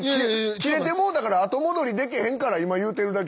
キレてもうたから後戻りできへんから今言うてるだけ。